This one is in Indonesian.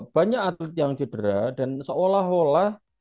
banyak atlet yang cedera dan seolah olah